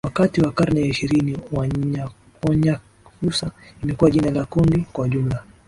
Wakati wa karne ya ishirini Wanyakyusa imekuwa jina la kundi kwa jumla